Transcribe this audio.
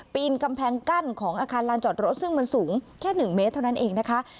ปีนกำแพงกั้นของอาคารลานจอดรถซึ่งมันสูงแค่๑เมตรเท่านั้นเองนะคะ